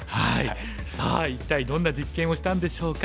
さあ一体どんな実験をしたんでしょうか。